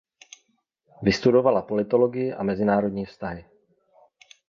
Vystudovala politologii a mezinárodní vztahy.